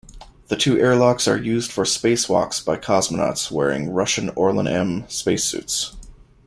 The two airlocks are used for spacewalks by cosmonauts wearing Russian Orlan-M spacesuits.